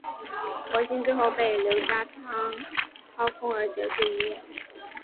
博新最后被刘家昌掏空而结束营业。